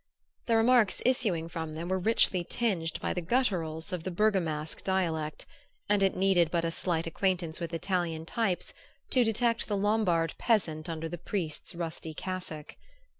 The remarks issuing from them were richly tinged by the gutturals of the Bergamasque dialect, and it needed but a slight acquaintance with Italian types to detect the Lombard peasant under the priest's rusty cassock.